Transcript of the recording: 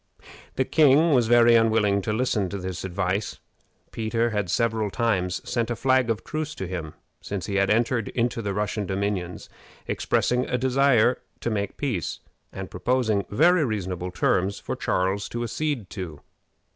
The king was very unwilling to listen to this advice. Peter had several times sent a flag of truce to him since he had entered into the Russian dominions, expressing a desire to make peace, and proposing very reasonable terms for Charles to accede to.